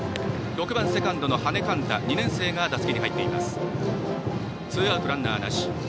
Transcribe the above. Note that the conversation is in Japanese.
６番セカンドの羽根勘太２年生が打席に入っています。